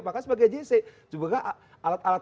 maka sebagai gc sebenarnya alat alat